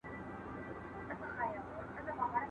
هغه ټولنه چي پرمختګ کوي خپلو خلګو ته هوساينه بخښي.